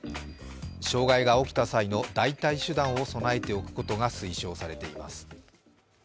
障害が起きた際の代替手段を備えておくことが推奨されています。